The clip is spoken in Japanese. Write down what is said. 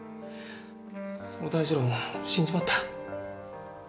その大二郎も死んじまった。